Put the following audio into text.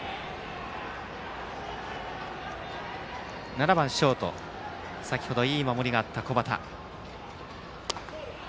打席には７番ショート先程、いい守りがあった小畑。